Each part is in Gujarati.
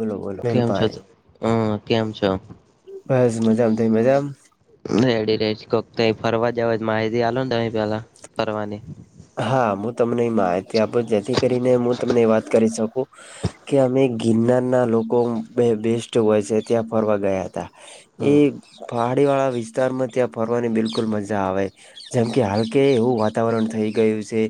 બોલો બોલો કેમ છ મેલભાઈ હમ કેમ છ બસ મજા આ થઈ મજામ રેડી રે કોક ફરવા જવા માહિતી આલો ને તમે પેલા ફરવાની હા હું તમને માહિતી આપું જેથી કરીને હું તમને વાત કરી શકું કે અમે ગિરનાર ના લોકો બે બેસ્ટ હોય છે ત્યાં ફરવા ગયા હતા. એ હું પહાડીવાળા વિસ્તારમાં ત્યાં ફરવાની બિલકુલ મજા આવે જેમ કે હાલ કે એવું વાતાવરણ થઈ ગયું છે.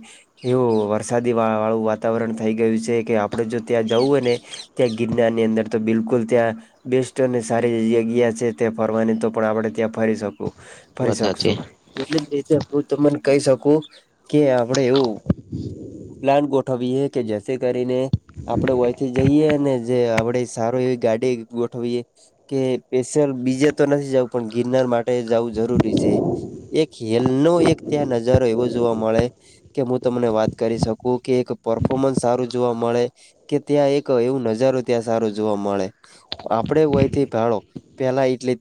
એવું વરસાદી વા વાળું વાતાવરણ થઈ ગયું છે કે આપડે જો ત્યાં જવું હોય ને ત્યાં ગિરનારની અંદર તો બિલકુલ ત્યાં બેસ્ટ અને સારી જગ્યા છે તે ફરવાની તો પણ આપડણે ત્યાં ફરી શકું ફરી બતા છે. શકશું એટલે જ રીતે હું તમને કહી શકું કે આપડે એવું પ્લાન ગોઠવીએ કે જે કરીને આપડે વયથી જઈએ ને જે આપડે સારો એવી ગાડી ગોઠવીએ કે પેશર બીજે તો નથી જવું પણ ગિરનાર માટે જવું જરૂરી છે. એક હેલ નો એક ત્યાં નજારો એવો જોવા મળે કે હું તમને વાત કરી શકું કે એક પરફોર્મન્સ સારું જોવા મળે કે ત્યાં એક એવું નજારો ત્યાં સારો જોવા મળે આપડે હોયથી ભાડો પેલા એટલે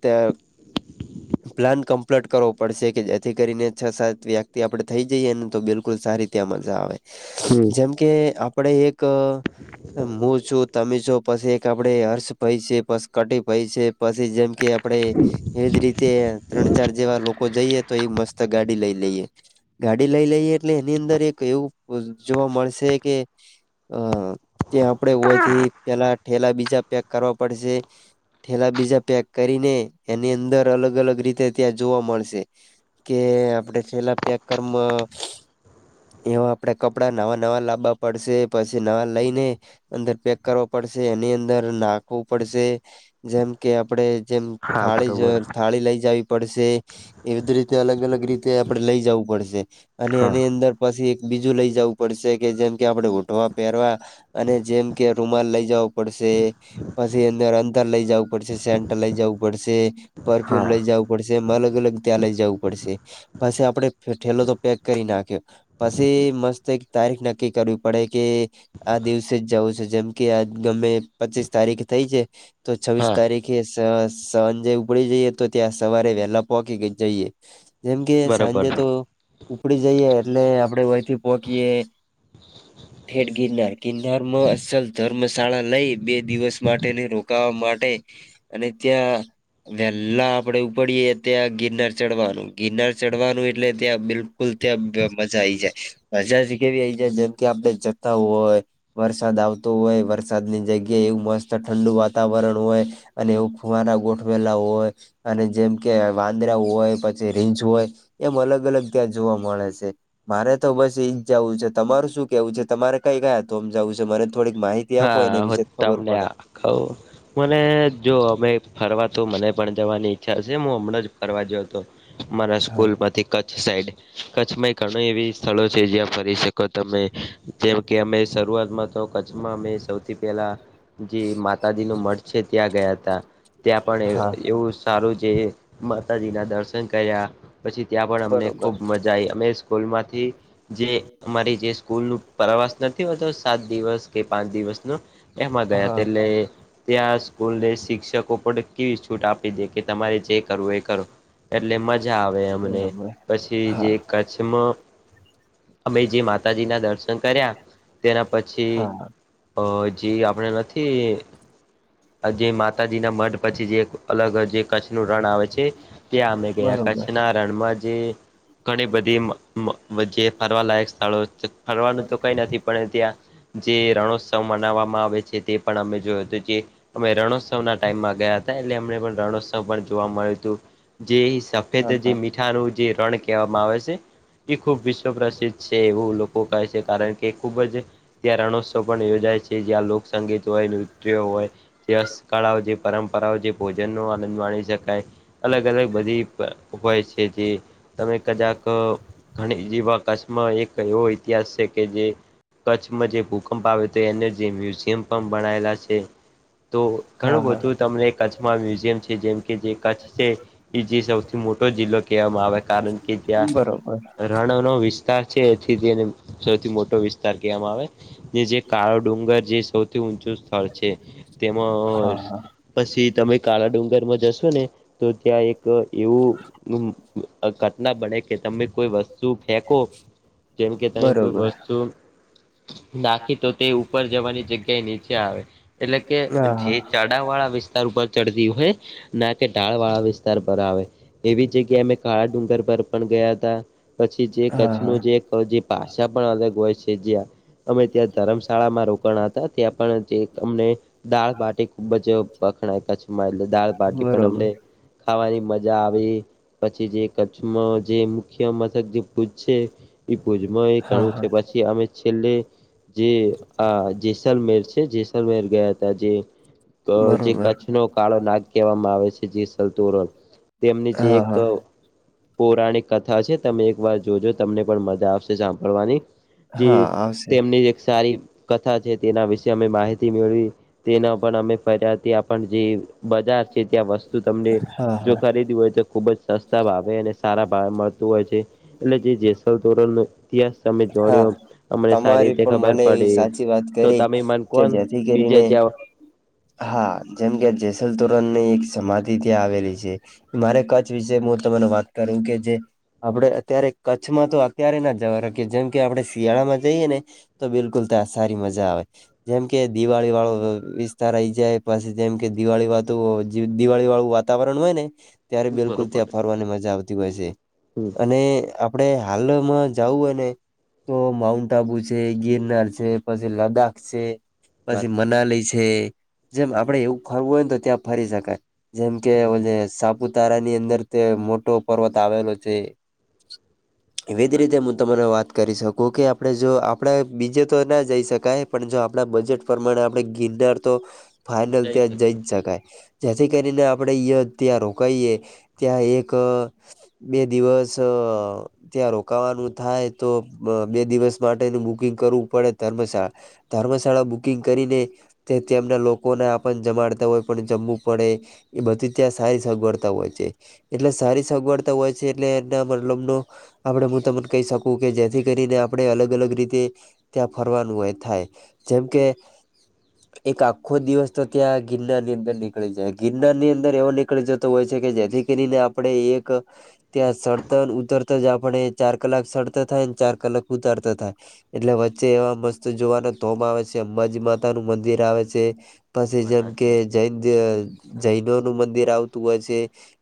પ્લાન કમ્પ્લીટ કરવો પડશે કે જેથી કરીને છ સાત વ્યક્તિ આપડે થઈ જઈએ ને તો બિલકુલ સારી ત્યા મજા હમ આવે જેમ કે આપડે એક અ હું છું તમે છો પછી એક આપડે હર્ષ ભય છે પછ કટી ભય છે. પછી જેમ કે આપડે એવીજ રીતે ત્રણ ચાર જેવા લોકો જઈએે તો એ મસ્ત ગાડી લઈ લે લઈએ ગાડી લઈ લઈએ એટલે એની અંદર એક એવું જોવા મળશે કે હ તે આપડે હોયથી પેલા ઠેલા બીજા પેક કરવા પડશે થઠેલા બીજા પેક કરીને એની અંદર અલગ અલગ રીતે ત્યાં જોવા મળશે. કે આપડે છેલ્લા પ્યારમાં એવા આપણા કપડાં નવા નવા લાવવા પડશે પછી નવા લઈને અંદર પેક કરવો પડશે એની અંદર નાખવું પડશે જેમ કે આપડે જેમ થાળી જ થાળી લઈ જવી પડશે એ બધી રીતે અલગ અલગ રીત તે આપડણે લઈ જવું પડશે અને એની અંદર પછી એક બીજું લઇ જવું પડશે કે જેમ કે આપડણે ઓઢવા પહેરવા અને જેમ કે રૂમાલ લઇ જવો પડશે. પછી અંદર અંદર લઇ જવું પડશે સેન્ટર લઇ જવું પડશે પરફ્યુમ લઇ જવું પડશે એમ અલગ અલગ ત્યાં લઇ જવું પડશે. પછ આપડે ઠેલો તો પેક કરી નાખ્યો. પછી મસ્ત એક તારીખ નક્કી કરવી પડે કે આ દિવસે જ જવું છે જેમ કે આ ગમે પચીસ તારીખ થઈ છે તો છવ્વીસ તારીખ કે સાંજે ઉપડી જઈએ તો ત્યાં સવારે વેલા પહોકીી જઈએ જેમ કે. સાંજે તો ઉપડી જઈએ એટલે આપડે વહીથી પોહકીએ. થેડ ગિરનાર ગિરનાર માં અસલ ધર્મશાળા લઈ બે દિવસ માટેને રોકવા માટે. અને ત્યાં વહેલા આપડે ઉપડીએ ત્યાં ગિરનાર ચડવાનું ગિરનાર. ચડવાનું એટલે ત્યાં બિલકુલ ત્યાં મજા આ આવી જાય મજા જ કેવી આઈ જાય જેમ આપણે. હોય.. વરસાદ આવતો હોય વરસાદની જગ્યા એવું મસ્ત ઠંડુ વાતાવરણ હોય. અને એવું ખુવારા ગોઠવેલા હોય અને જેમ કે વાંદરા હોય પછી રીંજ હોય. એમ અલગ અલગ ત્યાં જોવા મળે છે. મારે તો બસ એઈ જ જવું છે તમારું શું કેવું છે તમારે કઈ કયા તોમ જવું છે મને થોડીક માહિતી ત્યા આપ એ ને વિીશે ખબર પડે. કાાવ. મને જો અમે ફરવા તો મને પણ જવાની ઈચ્છા છે હું હમણાં જ ફરવાજયો હતો. મારા હા સ્કૂલ માંથી કચ્છ સાઈડ. કચ્છમાં એ ઘણા એવી સ્થળો છે જ્યાં ફરી શકો તમે જેમ કે અમે શરૂઆતમાં તો્છ. અમે સૌથી પહેલા. જે માતાજી ન મઠ છે ત્યાં ગયા હતા ત્યાં હા પણ એવું. સારું છે માતાજીના દર્શન કર્યા પછી ત્યાં પણ અમને બરોબર ખૂબ મજા. જાય અમે સ્કૂલ માંથી. જે અમારી જે સ્કૂલ નું પ્રવાસ નથી હોતો સાત દિવસ. કે પાંચ દિવસનું એમાં થયા હા એટલે. ત્યાં સ્કૂલને શિક્ષકો પણ કેવી છૂટ આપી દે કે તમારે જે કરવું એ કરો. એટલે મજા આવે અમને બરોબર પછી જે હા કચ્છમાં. અમે જે માતાજી ના દર્શન કર્યા તેના પછી હા અજી આપણેે નથી આ જે માતાજી ના મઢ. પછી જે એક અલગ જે કચ્છ નું રણ આવે છે. ત્યા અમે ગયા બરોબર કચ્છના રણમાંજી ઘણી બધી. જે ફરવાલાાયક સ્થળો ફરવાનું તો કઈ નથી પણ ત્યાં. જે રણોત્સવ મનાવવામાં આવે છે તે પણ અમે જોય તો જે. અમે રણોત્સવ ના ટાઈમમાં ગયા હતા એટલે અમને પણ રણોત્સવ પણ જોવા મળ્યું હતું જે. સેદ હા જે હા મીઠાનું જે રણ કહેવામાં આવે છે. એ ખૂબ વિશ્વ પ્રસિદ્ધ છે એવું લોકો કહે છે કારણ કે ખૂબ જ. ત્યાં રણોત્સવ પણ યોજાય છે જ્યાં લોકસંગીત હોય નૃત્યો હોય. જેસ કળાઓ જે પરંપરાઓ જે ભોજન નો આનંદ માણી શકાય. અલગ અલગ બધી હો હોય છે જે તમે કદાક. ઘણી જેવા કશમાં એક એવો ઇતિહાસ છે કે જે. કચ્છમાં જે ભૂકંપ આવે હતો એને જે મ્યુઝિયમ પણ બનાયેલા છે. તો ઘણું હા હા બધું તમને કચ્છમાં મ્યુઝિયમ છે જેમ કે જે કચ્છ છે. એ જે સૌથી મોટો જિલ્લો કહેવામાં આવે કારણ કે જ્યાં. બરોબર રણ નો વિસ્તાર છે એથી તેને સૌથી મોટો વિસ્તાર કવામાં આવે. જે કાળો ડુંગર જે સૌથી ઊંચું સ્થળ છે હા તેમાં. હા પછી તમે કાળા ડુંગરમાં જશો ને તો ત્યાં એક એવું. કટના બને કે તમે કોઈ વસ્તુ ફેંકો. જેમ કે તની કોઈ બરોબર વસ્તુ નાખી તો તે ઉપર જવાની જગ્યાએ નીચે આવે એટલે કે હા જે હા ચ વાળા વિસ્તાર ઉપર ચડતી હોય ના કે ઢાળ વાળા વિસ્તાર પર આવે એવી જગ્યાએ અમે કાળા ડુંગર પર પણ ગયા હતા. પછી જે કચ્છ હા નો હા જે જે ભાષા પણ અલગ હોય છે જયા અમે ત્યાં ધર્મશાળામાં રોકાણ હતા ત્યાં પણ જે અમને દાળ બાટી ખુબ જ વખણાય કચ્છમાં એટલે દાળ બાટી પણ બરોબર અમને ખાવાની મજા આવી. પછી જે કચ્છમાં જે મુખ્ય મથક જે ભુજ છે. એ ભુજમાં એ હા ગણું છે હા પછી અમે છેલ્લે જે આ જેસલમેર છે જેસલમેર ગયા હતા જે જે બરોબર કચ્છ ન કાળો નાગ કહેવામાં આવે છે જે સતોરલ તેમની જે હા એક હા પૌરાણિક કથા છે તમે એક વાર જોજો તમને પણ મજા આવશે સાંભળવાની હા જે આવશે તેમની એક સારી કથા છે તેના વિશે અમે માહિતી મેળવી. તેના પણ અમે ફર્યાથી આપણ જે બજાર છે ત્યાં વસ્તુ તમને હા જો હા ખરીદી હોય તો ખુબ જ સસ્ત તા આવે અને સારા ભાવે મળતું હોય છે એટલે જે જેસલ ધોરણ નો ઇતિહાસ તમે હા જોણ્યો તમારી પણ મને એવી સાચી વાત તો કરી તમે મને કે કોણ જેથી બીજે કરીને. જ્યાં હા જેમ કે જેસલ તોરન ની એક સમાધિ ત્યાં આવેલી છે. મારે કચ્છ વિશે હું તમાર વાત કરું કે જે આપડે અત્યારે કચ્છમાં તો અત્યારે ના જવા રાખીએ જેમ કે આપણે શિયાળામાં જઈએ ને તો બિલકુલ ત્યાં સારી મજા આવે જેમ કે દિવાળી વાળો વિ તાર રહી જાય પછી જેમ કે દિવાળી વાતું દિવાળી વાળું વાતાવરણ હોય ને ત્યારે બિલકુલ ત્યાં ફરવાની મજા આવતી હોય છે અને આ આપડે હાલમાં જાવું હોયને તો માઉન્ટ આબુ છે, ગિરનાર છે, પછી લદ્દાખ છે. પછી વાત મનાલી છે, જેમ આપડે એવું ફરવું હોય ને તો ત્યાં ફરી શકાય. જેમ કે ઓ સાપુતારા ની અંદર તે મોટો પર્વત આવેલો છે. [inaudible] એવી જ રીતે હું તમાને વાત કરી શકું કે આપણે જો આપણે બીજે તો ના જઈ શકાય. પણ જો આપણા બજેટ પ્રમાણે આપણે ગિરનાર તો ફાઈનલ ત્યાં જઈ જ શકાય. જેથી કરીને આપણે હીંયા ત્યાં રોકાઈએ ત્યાં એક. બે દિવસ ત્યાં રોકાવાનું થાય તો બે દિવસ માટેનું બુકિંગ કરવું પડે ધર્મશાળા ધર્મશાળા બુકિંગ કરીને તે તેમના લોકોને જમાડતા હોય પણ જમવું પડે. એ બધી ત્યાં સારી સગવડતા હોય છે. એટલે સારી સગવડતા હોય છે એટલે એના મતલબ નો આપણે હું તમને કહી શકું કે જેથી કરીને આપણે અલગ અલગ રીતે ત્યાં ફરવાનું એય થાય જેમકે એક આખો દિવસ તો ત્યાં ગિરનાર ની અંદર નીકળી જાય ગિરનારની અંદર એવો નીકળી જ હોય છે કે જેથી કરીને આપણે એક. ત્યાં શરતને ઉતરતા જ આપણે ચાર કલાક શરત થાય ને ચાર કલાક ઉતરતા થાય. એટલે વચ્ચે એવા મસ્ત જોવાનો તોમ આવે છે અંબાજી માતા નું મંદિર. મંદિર આવે છે પછી જેમ કે જૈન જૈનોનું‌ મંદિર આવતું હોય છે.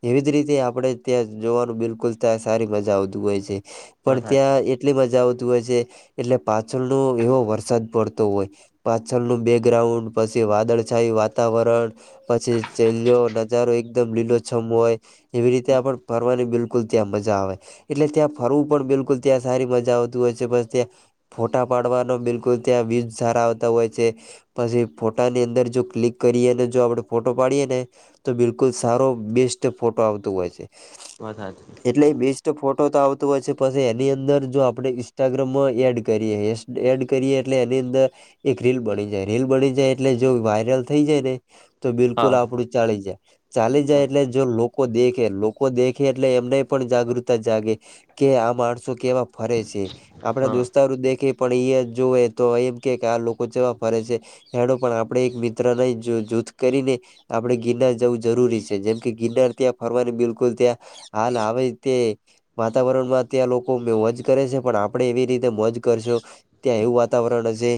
એવી જ રીતે આપણે ત્યાં જોવાનું બિલકુલ ત્યાં સારી મજા આવતું હોય છે પણ ત્યાં એટલી મજા આવતી હોય છે એટલે પાછળ નું એવો વરસાદ પડતો હોય પાછળ નું બે ગ્રાઉન્ડ પછી વાદળછાયી વાતાવરણ. પછી નજારો એકદમ લીલો છમ હોય. એવી રીતે આપ ફરવાની બિલકુલ ત્યાં મજા આવે. એટલે ત્યાં ફરવું પણ બિલકુલ ત્યાં સારી મજા આવતી હોય છે બસ ત્યાં ફોટા પાડવાનો બિલકુલ ત્યાં વ્યુઝ સારા આવતા હોય છે. પછી ફોટાની અંદર જો ક્લિક કરીએ અને જો આપણે ફોટો પાડીએ ને તો બિલકુલ સારો બેસ્ટ ફોટો આવતો હોય છે. વાત હાચી એટલે એ બેસ્ટ ફોટો તો આવતો હોય છે પછી એની અંદર જો આપણે ઇન્સ્ટાગ્રામમાં એડ કરીએ એડ કરીએ એટલે એની અંદર એક રીલ બની જાય રીલ બની જાય એટલે જો વાયરલ થઈ જાય ને તો હા બિલકુલ આપડું ચાલી જાય ચાલી જાય એટલે જો લોકો દેખે લોકો દેખે એટલે એમને પણ જાગૃતતા જાગે કે આ માણસો કેવા ફરે છે આપડા દોસ્તારો દેખે પણ અયા જોએ તો એમ કે કે આ લોકો કેવા ફરે છે એનો પણ આપણે એક મિત્ર નહીં જો જૂથ કરીને આપડે ગિરનાર જવું જરૂરી છે જેમ કે ગિરનાર ત્યાં ફરવાની બિલકુલ ત્યાં હાલ આવે રીતે વાતાવરણમાં અ ત્યાં લોકો મે મોજ કરે છે પણ આપડે એવી રીતે મોજ કરશું ત્યાં એવું વાતાવરણ હશે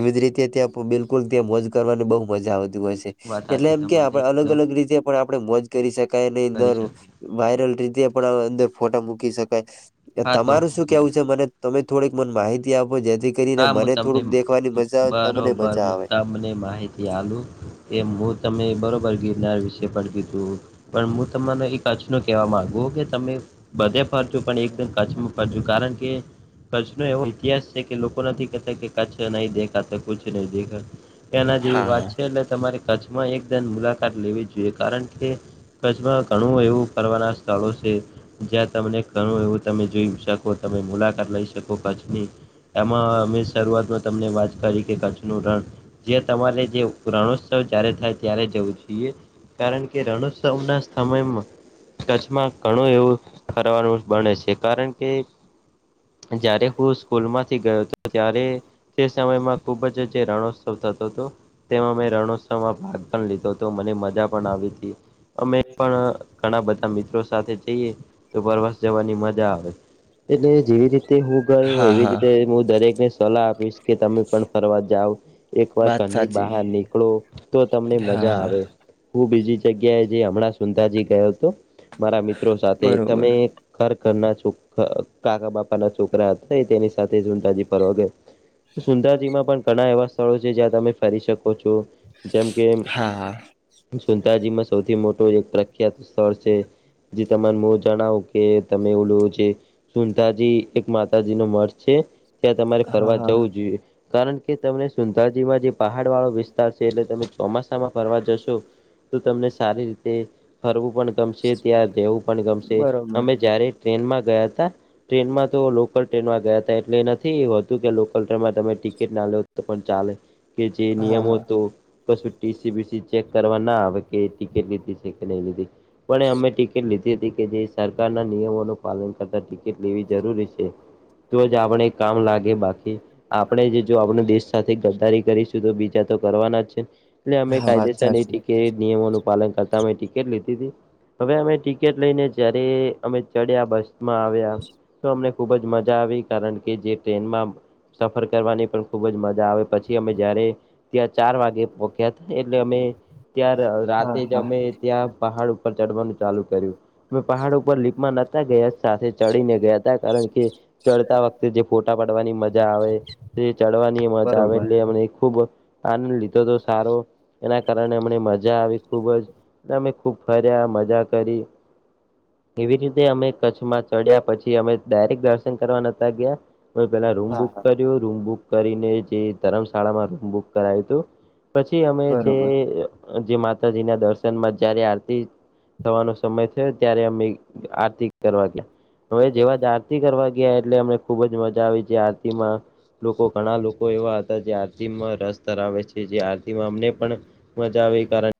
એવી જ રીતે ત્યાં બિલકુલ ત્યાં મોજ કરવાની બહુ મજા આવતી હોય છે વાત એટલે સાચી એમ કે તમારી આપડે અલગ એકદમ અલગ રીતે પણ આપણેે મોજ કરી શકાય નહી કરી શકી વાયરલ રીતે પણ અંદર ફોટા મૂકી શકાય હા તો તમારું હું શું તમને કેવું છે મને તમે થોડીક મને માહિતી આપો જેથી કરીને મને થોડુંક દેખવાની મજા [unintelligible] આવે તમને મજા આવે મુદ્દા અને માહિતી યાલું એ હું તમે બરાબર ગિરનાર વિશે પણ કીધું પણ હું તમારો એકાચનો કહેવા માંગુ કે તમે બધે ફરજું પણ એકદ કચ્છમાં ફરજું કારણ કે કચ્છ નો એવો ઇતિહાસ છે કે લોકો નથી કેતા કચ્છ નહી દેખા તો કુછ નહી દેખા એના જેવી વાત હા છે એટલે તમારે કચ્છમાં એકદન મુલાકાત લેવી જોઈએ કારણ કે કચ્છમાં ઘણું એવું કરવાના સ્થળો છે જ્યાં તમને ઘણું એવું તમે જોઈ શકો તમે મુલાકાત લઈ શકો કચ્છની એમાં અમે શરૂઆતમાં તમને વાત કરી કે કચ્છ નું રણ જ્યા તમારે જે રણોત્સવ જ્યારે થાય ત્યારે જવું જોઈએ. કારણ કે રણોત્સવ ના સમયમાં કચ્છમાં ઘણું એવું ફરવાનું બને છે કારણ કે જયારે હું સ્કૂલમાં ગયો હતો ત્યારે તે સમયમાં ખુબ જ જે રણોત્સવ થતો તો તેમાં મેં રણોત્સવમાં ભાગ પણ લીધો હતો મને મજા પણ આવી હતી અમે પણ ઘણા બધા મિત્રો સાથે જઈએ તો પરવાસ જવાની મજા આવે. એટલે જેવી રીતે હું ગયો હા એવી હા રીતે હું દરેક ને સલાહ આપીશ કે તમે પણ ફરવા જાવ એક વાર વાત ઘરની સાચી બહાર નીકળો. તો તમને હા મજા હા આવે હું બીજી જગ્યાએ જે હમણાં [unintelligible] ગયો હતો મારા મિત્રો સાથે તમે બરોબર ઘર ઘરના છો કાકા બાપા ના છોકરા હતા તેની સાથે ઉંટાજી ફરવા ગયા સુંદાજીમાં પણ ઘણા એવા સ્થળો છે જ્યાં તમે ફરી શકો છો જેમ કે હા હા સુતાજીમાં સૌથી મોટું એક પ્રખ્યાત સ્થળ છે. જે તમાર [unintelligible] જણાવ કે તમે ઓલું છે સુુંતાાજી એક માતાજી નો મઢ છે ત્યાં તમારે હા ફરવા હા જવું જોઈએ, કારણ કે તમને સુંદાજીમાં જે પહાડ વાળો વિસ્તાર છે, એટલે તમે ચોમાસામાં ફરવા જશો તો તમને સારી રીતે ફરવું પણ ગમશે ત્યાં રહેવું પણ ગમશે બરોબર અમે જ્યારે ટ્રેનમાં ગયા હતા ટ્રેનમાં તો લોકલ ટ્રેનમાં ગયા હતા એટલે નથી હોતું કે લોકલ ટ્રેનમાં તમે ટિકિટ ના લે તો પણ ચાલે કે જે હા નિયમો હા તો [unintelligible] ચેક કરવા ના આવે કે ટિકિટ લીધી છે કે નહી લીધી પણ અમે ટિકિટ લીધી હતી કે જે સરકારના નિયમોનું પાલન કરતાં ટિકિટ લેવી જરૂરી છે, તો જ આપણે કામ લાગે બાકી આપણે જે જો આપણ દેશ સાથે ગદદારી કરીશું તો બીજા તો કરવાના જ છે, એટલે અમે હા વાત કાયદેસરની સાચી ટ નિયમોનું પાલન કરતા અમે ટિકિટ લેધ હતી, હવે અમે ટિકિટ લઈને જયારે અમે ચડ્યા બસ માં આવ્યા તો અમને ખુબ જ મજા આવી કારણ કે જે ટ્રેનમાં સફર કરવાની પણ ખૂબ જ મજા આવે પછી અમે જયારે ત્યાં ચાર વાગે પોહખ્યા હતા, એટલે અમે ત્યાં રાતે હા જ હા અમે ત્યાં પહાડ ઉપર ચડવાનું ચાલુ કર્યું, મે પહાડ ઉપર લીપમાં નતા ગયા સાથે ચડીને ગયા હતા કારણ કે, ચડતા વખતે જે ફોટા પાડવાની મજા આવે તે ચડવાની મજા આવે બરોબર એટલે એમને ખુબ આ લીધો તો સારો એના કારણે હમને મજા આવી ખુબ જ, અમે ખુબ ફર્યા મજા કરી, એવી રીતે અમે કચ્છમાં ચડ્યા પછી અમે ડાયરેક્ટ દર્શન યા પેલા રૂમ હા બુક હા કરી રૂમ બુક કરીને જે ધર્મશાળામાં રૂમ બુક કરાયું હતું. પછી અમે બરોબર જે માતાજી ના દર્શનમાં જયારે આરતી થવાનો સમય થયો ત્યારે અમે આરતી કરવા ગયા, હવે જેવા જ આરતી કરવા ગયા એટલે અમને ખુબ જ મજા આવી છે, આરતી માં લોકો ઘણા લોકો એવા હતા જે આરતીમાં રસ ધરાવે છે, જે આરતીમાં અમને પણ મજા આવે કારણ